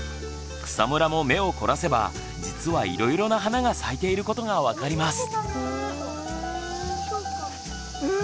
草むらも目を凝らせば実はいろいろな花が咲いていることが分かります。